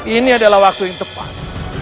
ini adalah waktu yang tepat